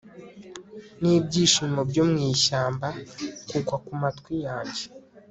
nibyishimo byo mwishyamba, kugwa kumatwi yanjye